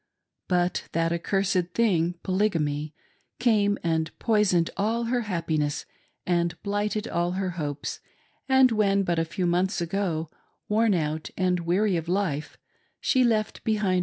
But that accursed thing — Polygamy — came and poisoned all her happiness, and blighted all her hopes ; and when, but a few months ago, worn out and weary of life, she left behind THE LAST OF My PO0R SWISS FRIEND.